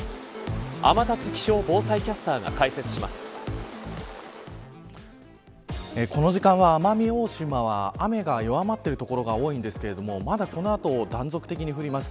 天達気象防災キャスターがこの時間は、奄美大島は雨が弱まっている所が多いんですけれどもまだこの後、断続的に降ります。